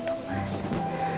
terima kasih om